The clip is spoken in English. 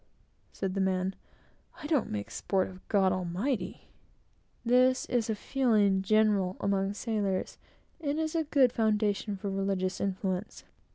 said the man, "I don't make sport of God Almighty." This is a feeling general among sailors, and is a good foundation for religious influence.